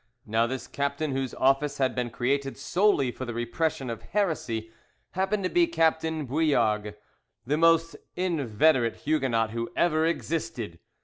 Now this captain whose office had been created solely for the repression of heresy, happened to be Captain Bouillargues, the most inveterate Huguenot who ever existed.